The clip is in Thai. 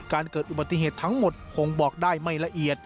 เกิดอุบัติเหตุทั้งหมดคงบอกได้ไม่ละเอียด